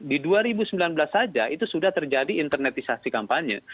di dua ribu sembilan belas saja itu sudah terjadi internetisasi kampanye